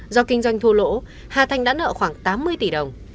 do kinh doanh thua lỗ hà thanh đã nợ khoảng tám mươi tỷ đồng